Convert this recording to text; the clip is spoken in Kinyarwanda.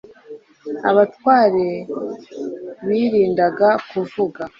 abatware birindaga kuvuga